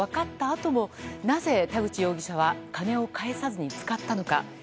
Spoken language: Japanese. あともなぜ、田口容疑者は金を返さずに使ったのか。